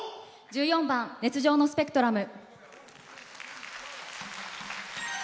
１４番「熱情のスペクトラム」。